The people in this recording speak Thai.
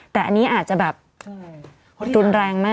แต่อันนี้อาจจะแบบรุนแรงมาก